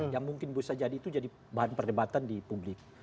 yang mungkin bisa jadi itu jadi bahan perdebatan di publik